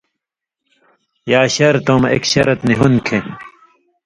یا شرطؤں مہ ایک شرط نی ہون٘د کھیں